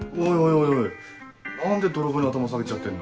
おい何で泥棒に頭下げちゃってんの。